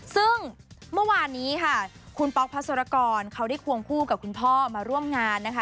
ซึ่งเมื่อวานนี้ค่ะคุณป๊อกพัศรกรเขาได้ควงคู่กับคุณพ่อมาร่วมงานนะคะ